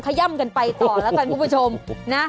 ย่ำกันไปต่อแล้วกันคุณผู้ชมนะ